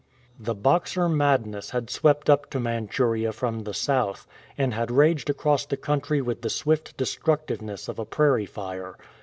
The Boxer madness had swept up to Manchuria from the south, and had raged across the country with the swift destructiveness of a prairie fire.